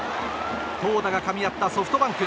投打がかみ合ったソフトバンク。